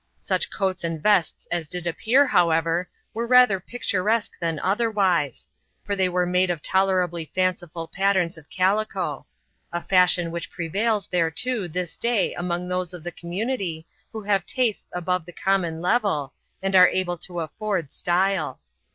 Such coats and vests as did appear, however, were rather picturesque than otherwise, for they were made of tolerably fanciful patterns of calico a fashion which prevails thereto this day among those of the community who have tastes above the common level and are able to afford style.